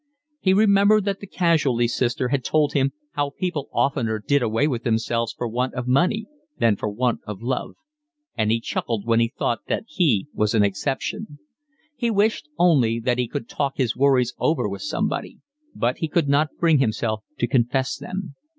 He remembered that the Casualty Sister had told him how people oftener did away with themselves for want of money than for want of love; and he chuckled when he thought that he was an exception. He wished only that he could talk his worries over with somebody, but he could not bring himself to confess them.